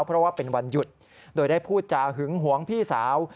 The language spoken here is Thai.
เพราะว่าเป็นวันหยุดโดยได้พูดจาหึงหวงพี่สาว